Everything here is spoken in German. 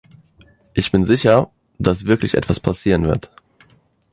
Ich bin sicher, dass wirklich etwas passieren wird.